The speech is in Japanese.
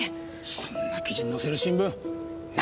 そんな記事載せる新聞ないよ。